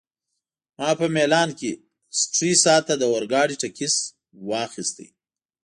ما په میلان کي سټریسا ته د اورګاډي ټکټ واخیست.